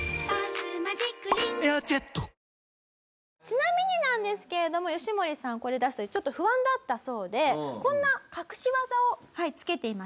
ちなみになんですけれどもヨシモリさんこれ出す時ちょっと不安だったそうでこんな隠し技をつけていました。